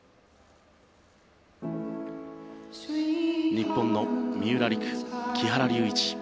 日本の三浦璃来、木原龍一。